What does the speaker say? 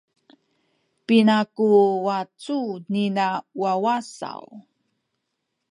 Pina ku wacu nina wawa saw?